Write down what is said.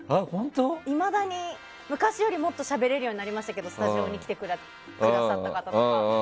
いまだに昔よりもっとしゃべれるようになりましたけどスタジオに来てくださった方とか。